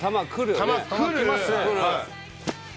球来ます。